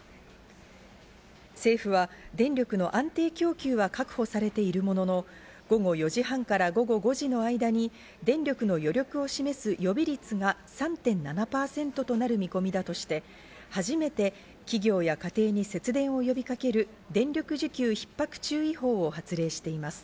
政府は電力の安定供給は確保されているものの、午後４時半から午後５時の間に電力の余力を示す予備率が３．７％となる見込みだとして、初めて企業や家庭に節電を呼びかける電力需給ひっ迫注意報を発令しています。